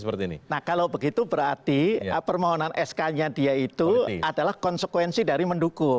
seperti ini nah kalau begitu berarti permohonan sk nya dia itu adalah konsekuensi dari mendukung